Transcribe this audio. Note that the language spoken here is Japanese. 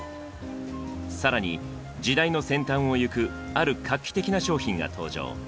更に時代の先端を行くある画期的な商品が登場。